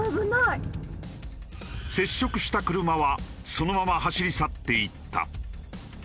接触した車はそのまま走り去っていった。